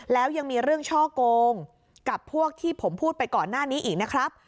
แล้วยังมีเรื่องช่อโกงกับพวกที่ผมพูดไปก่อนหน้านี้อีกนะครับ